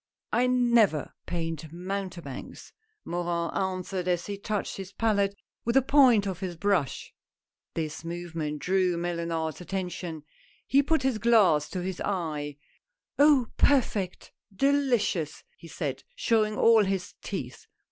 " I never paint mountebanks," Morin answered as he touched his palette with the point of his brush. This movement drew Mellunard's attention. He put his glass to his eye. " Oh ! perfect — delicious !" he said, showing all his teeth.